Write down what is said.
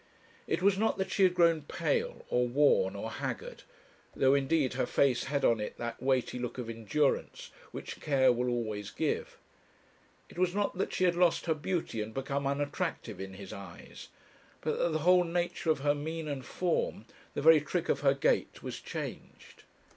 It was not that she had grown pale, or worn, or haggard; though, indeed, her face had on it that weighty look of endurance which care will always give; it was not that she had lost her beauty, and become unattractive in his eyes; but that the whole nature of her mien and form, the very trick of her gait was changed.